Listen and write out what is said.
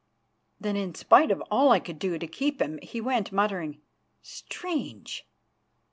Then, in spite of all I could do to keep him, he went, muttering: "Strange!